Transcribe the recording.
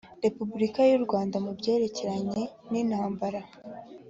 Repubulika yurwanda mu byerekeranye nintambara